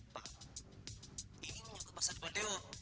pak ini menyangka pasal depan dewo